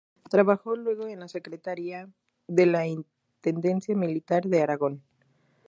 Trabajó luego en la Secretaría de la Intendencia Militar de Aragón.